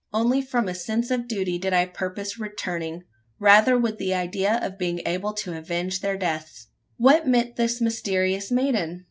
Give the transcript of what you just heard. Only from a sense of duty did I purpose returning: rather with the idea of being able to avenge their deaths. What meant this mysterious maiden?